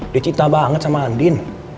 dia cinta banget sama andin